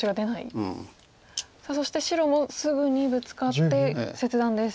さあそして白もすぐにブツカって切断です。